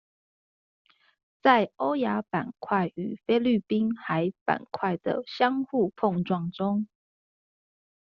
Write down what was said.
在歐亞板塊與菲律賓海板塊的相互碰撞中